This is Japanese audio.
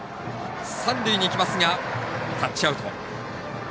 三塁に行きますがタッチアウト。